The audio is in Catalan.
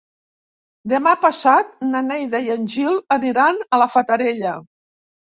Demà passat na Neida i en Gil aniran a la Fatarella.